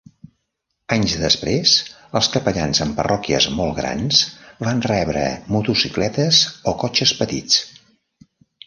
Anys després, els capellans amb parròquies molt grans van rebre motocicletes o cotxes petits.